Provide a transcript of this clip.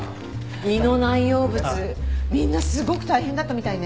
胃の内容物みんなすごく大変だったみたいね。